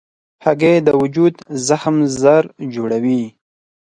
هګۍ د وجود زخم ژر جوړوي.